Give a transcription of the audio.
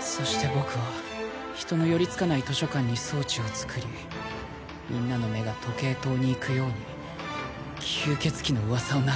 そしてボクは人の寄りつかない図書館に装置を作りみんなの目が時計塔にいくように吸ケツ鬼の噂を流したんだ。